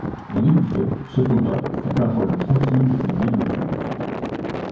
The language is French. On écoutait, chapeau bas, ses paroles tranquilles et mélodieuses.